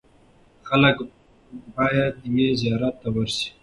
خلک باید یې زیارت ته ورسي.